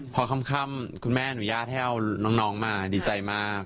พอค่ำคุณแม่หนุงยาเท่าน้องมาดีใจมาก